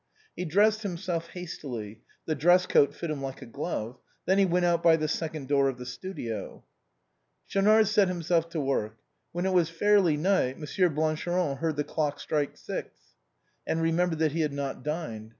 He dressed himself hastily ; the dress coat fitted him like a glove. Then he went out by the second door of the studio. Schaunard set himself to work. When it was fairly night, Monsieur Blancheron heard the clock strike six, and remembered that he had not dined.